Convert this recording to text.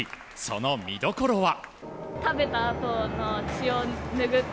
その見どころは。